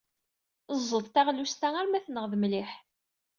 Eẓd taɣlust-a arma tenɣed mliḥ.